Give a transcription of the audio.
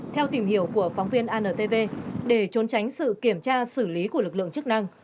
theo tìm hiểu của phóng viên antv để trốn tránh sự kiểm tra xử lý của lực lượng chức năng